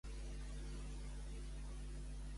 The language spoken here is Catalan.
Necessito saber què és un hipèrbaton.